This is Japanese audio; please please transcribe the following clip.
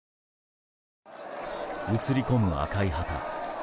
映り込む赤い旗。